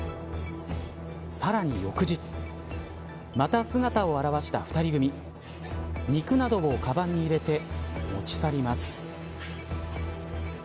さらに翌日また姿を現した２人組肉などをかばんに入れて持ち去ります。